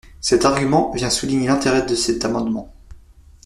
Cet argument vient souligner l’intérêt de cet amendement.